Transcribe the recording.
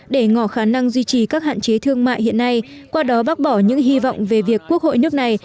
để ngỏ khả năng duy trì các hạn chế thương mại hiện nay qua đó bác bỏ những hy vọng về việc quốc hội nước này